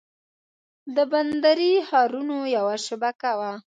د بندري ښارونو یوه شبکه وه